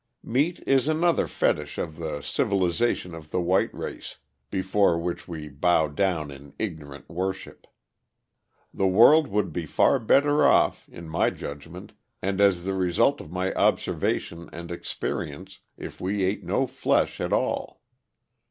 Meat is another fetich of the civilization of the white race, before which we bow down in ignorant worship. The world would be far better off, in my judgment, and as the result of my observation and experience, if we ate no flesh at all.